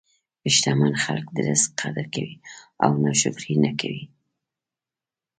شتمن خلک د رزق قدر کوي او ناشکري نه کوي.